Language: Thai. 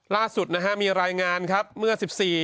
ล่าสุดนะฮะมีรายงานครับเมื่อ๑๔